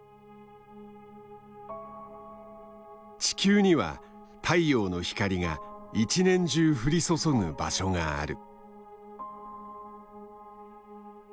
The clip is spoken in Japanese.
地球には太陽の光が一年中降り注ぐ場所がある。